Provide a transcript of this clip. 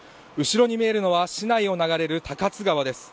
後ろに見えるのは市内を流れる高津川です